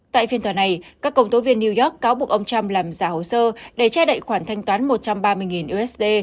tại phiên tòa này các công tố viên new york cáo buộc ông trump làm giả hồ sơ để che đậy khoản thanh toán một trăm ba mươi usd